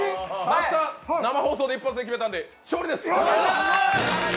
那須さん、生放送で一発で決めたんで勝利です！